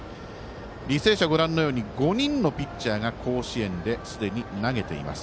履正社、ご覧のように５人のピッチャーが甲子園ですでに投げています。